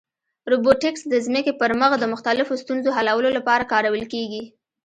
روبوټیکس د ځمکې پر مخ د مختلفو ستونزو حلولو لپاره کارول کېږي.